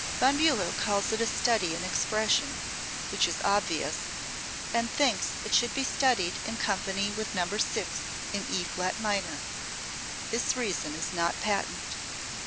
Von Bulow calls it a study in expression which is obvious and thinks it should be studied in company with No. 6, in E flat minor. This reason is not patent.